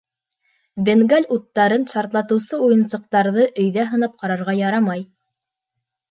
Бенгаль уттарын, шартлаусы уйынсыҡтарҙы өйҙә һынап ҡарарға ярамай.